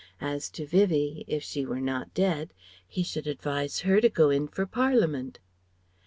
As to Vivie ... if she were not dead ... he should advise her to go in for Parliament.